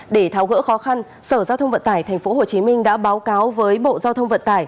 để tháo gỡ khó khăn sở giao thông vận tải tp hcm đã báo cáo với bộ giao thông vận tải